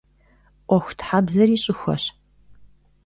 Ӏуэхутхьэбзэри щӀыхуэщ.